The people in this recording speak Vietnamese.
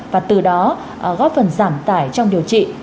và từ đó góp phần giảm tải trong điều trị